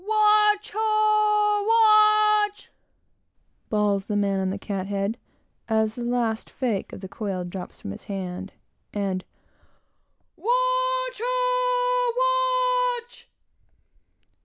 "Watch! ho! watch!" bawls the man on the cat head, as the last fake of the coil drops from his hand, and "Watch! ho! watch!"